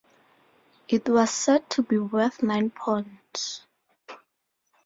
It was said to be worth nine pounds.